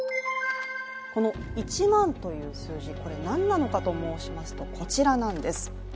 この１００００という数字、何なのかといいますと、こちらなんです。